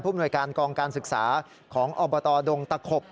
หน่วยการกองการศึกษาของอบตดงตะขบ